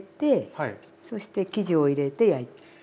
そして生地を入れて焼いて。